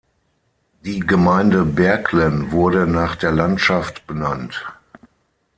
Die Gemeinde Berglen wurde nach der Landschaft benannt.